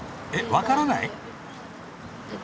わからない？